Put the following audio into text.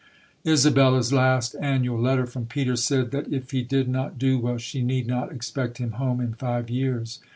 Isabella's last annual letter from Peter said that if he did not do well, she need not expect him home in five years.